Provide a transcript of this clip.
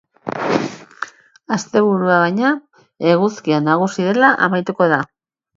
Asteburua, baina, eguzkia nagusi dela amaituko da.